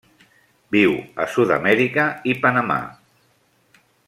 Viu a Sud-amèrica i Panamà.